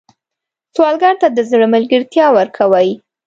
سوالګر ته د زړه ملګرتیا ورکوئ